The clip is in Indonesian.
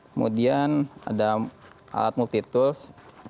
kemudian ada alat multi tools